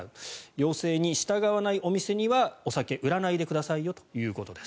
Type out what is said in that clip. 要請に従わないお店にはお酒を売らないでくださいよということです。